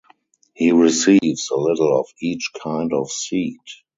He receives a little of each kind of seed.